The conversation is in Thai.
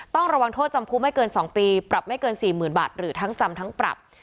ต้องระวังโทษจำคุกไม่เกิน๒ปีปรับไม่เกิน๔๐๐๐บาทหรือทั้งจำทั้งปรับ